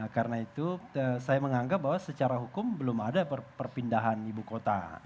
karena itu saya menganggap bahwa secara hukum belum ada perpindahan ibu kota